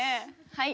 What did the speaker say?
はい。